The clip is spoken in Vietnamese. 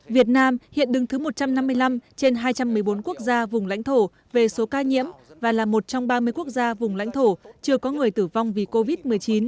việt nam hiện đứng thứ một trăm năm mươi năm trên hai trăm một mươi bốn quốc gia vùng lãnh thổ về số ca nhiễm và là một trong ba mươi quốc gia vùng lãnh thổ chưa có người tử vong vì covid một mươi chín